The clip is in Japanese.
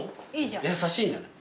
優しいんじゃない？